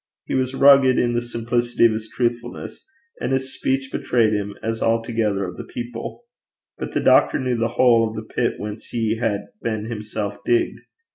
He was rugged in the simplicity of his truthfulness, and his speech bewrayed him as altogether of the people; but the doctor knew the hole of the pit whence he had been himself digged.